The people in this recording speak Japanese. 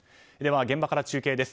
現場から中継です。